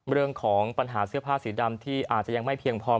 เรื่องของปัญหาเสื้อผ้าสีดำที่อาจจะยังไม่เพียงพอ